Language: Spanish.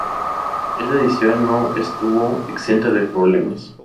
Esta decisión no estuvo exenta de problemas.